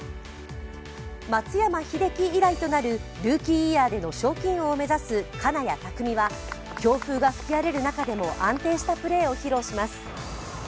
松山英樹以来となるルーキーイヤーでの賞金王を目指す金谷拓実は強風が吹き荒れる中でも安定したプレーを披露します。